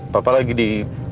papa lagi di